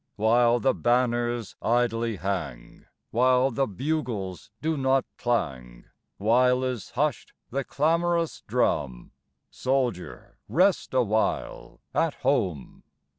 While the banners idly hang, While the bugles do not clang, While is hushed the clamorous drum, Soldier, rest awhile at home.